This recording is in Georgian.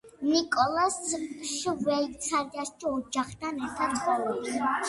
ნიკოლა შვეიცარიაში ოჯახთან ერთად ცხოვრობს.